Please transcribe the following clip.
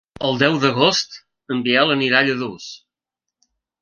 El deu d'agost en Biel anirà a Lladurs.